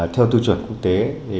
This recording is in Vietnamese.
theo tư chuẩn quốc tế